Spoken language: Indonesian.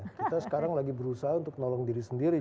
kita sekarang lagi berusaha untuk nolong diri sendiri